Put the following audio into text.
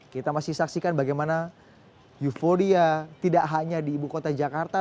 kita masih saksikan bagaimana euforia tidak hanya di ibu kota jakarta